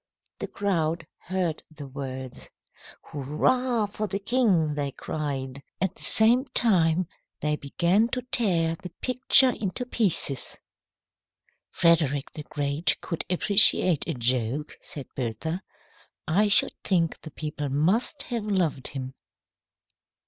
"The crowd heard the words. 'Hurrah for the king!' they cried. At the same time, they began to tear the picture into pieces." "Frederick the Great could appreciate a joke," said Bertha. "I should think the people must have loved him."